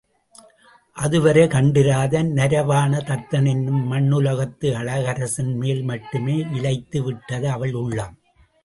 அதுவரை கண்டிராத நரவாண தத்தன் என்னும் மண்ணுலகத்து அழகரசன்மேல் மட்டுமே இலயித்து விட்டது அவள் உள்ளம்.